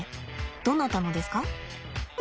どなたのですか？